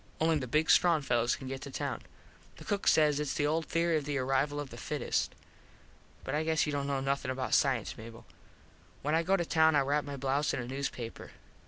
Only the big strong fellos can get to town. The cook says its the old theory of the arrival of the fittest. But I guess you dont know nothin about cience, Mable. When I go to town I wrap my blouze in a newspaper.